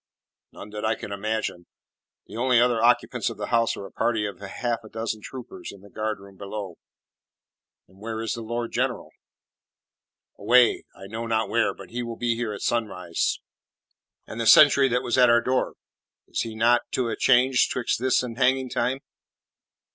"None that I can imagine. The only other occupants of the house are a party of half a dozen troopers in the guardroom below." "Where is the Lord General?" "Away I know not where. But he will be here at sunrise." "And the sentry that was at our door is he not to a changed 'twixt this and hanging time?"